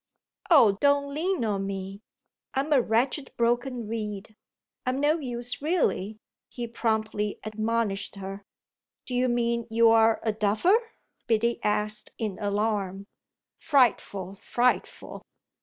"Oh don't lean on me. I'm a wretched broken reed I'm no use really!" he promptly admonished her. "Do you mean you're a duffer?" Biddy asked in alarm. "Frightful, frightful!"